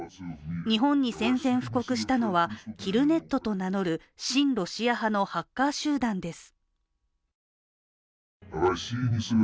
日本に宣戦布告したのは、キルネットと名乗る親ロシア派のハッカー集団です。